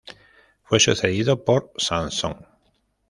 Fue sucedido por Sansón.